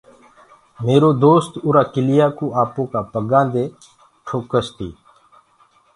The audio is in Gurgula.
ميرو دوست اُرآ ڪوُ آپو ڪآ پگآندي توڪس تي۔